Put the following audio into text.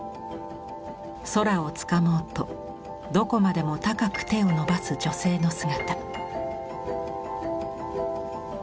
空をつかもうとどこまでも高く手を伸ばす女性の姿。